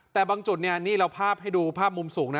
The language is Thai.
แต่บางจุดเนี่ยนี่เราภาพให้ดูภาพมุมสูงนะ